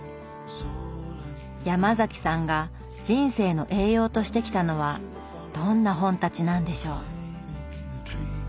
ヤマザキさんが人生の栄養としてきたのはどんな本たちなんでしょう？